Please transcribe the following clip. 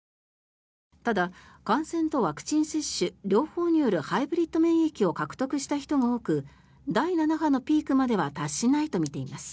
ただ感染とワクチン接種両方によるハイブリッド免疫を獲得した人が多く第７波のピークまでは達しないとみています。